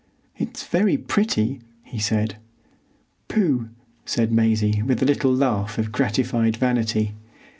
"It's very pretty," he said. "Pooh!" said Maisie, with a little laugh of gratified vanity.